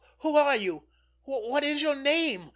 Who are you? What is your name?